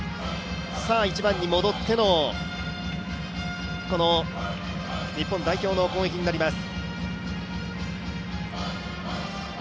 １番に戻っての日本代表の攻撃になります。